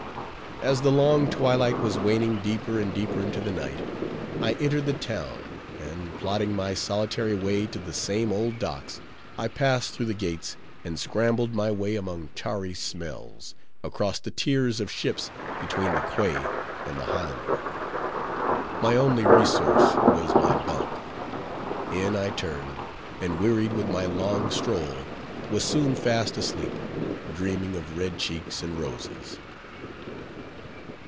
As the long twilight was waning deeper and deeper into the night, I entered the town; and, plodding my solitary way to the same old docks, I passed through the gates, and scrambled my way among tarry smells, across the tiers of ships between the quay and the Highlander. My only resource was my bunk; in I turned, and, wearied with my long stroll, was soon fast asleep, dreaming of red cheeks and roses.